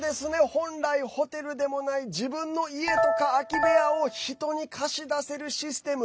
本来ホテルでもない自分の家とか空き部屋を人に貸し出せるシステム。